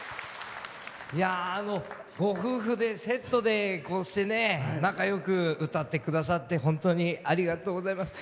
ご夫婦でセットでこうして仲よく歌ってくださって本当にありがとうございます。